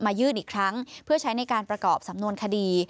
ยื่นอีกครั้งเพื่อใช้ในการประกอบสำนวนคดี